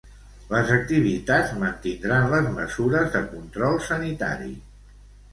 Les activitats mantindran les mesures de control sanitari.